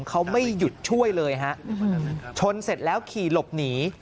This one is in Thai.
เขาไม่หยุดช่วยเลยฮะชนเสร็จแล้วขี่หลบหนี